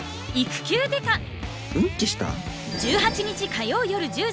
うんちした？